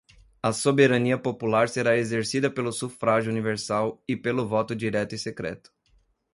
A soberania popular será exercida pelo sufrágio universal e pelo voto direto e secreto